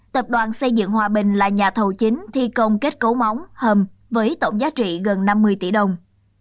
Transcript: tập đoàn xây dựng hòa bình là nhà thầu chính thi công kết cấu móng hầm với tổng giá trị gần năm mươi tỷ đồng